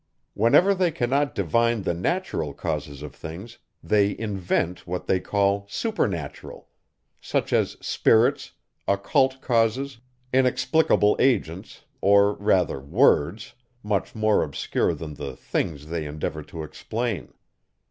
Whenever they cannot divine the natural causes of things, they invent what they call supernatural; such as spirits, occult causes, inexplicable agents, or rather words, much more obscure than the things they endeavour to explain.